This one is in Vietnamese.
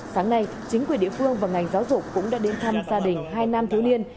sáng nay chính quyền địa phương và ngành giáo dục cũng đã đến thăm gia đình hai nam thiếu niên